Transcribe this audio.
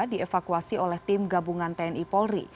dievakuasi oleh tim gabungan tni polri